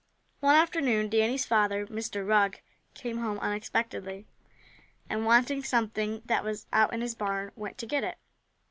One afternoon Danny's father, Mr. Rugg, came home unexpectedly, and, wanting something that was out in his barn went to get it.